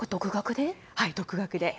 独学で。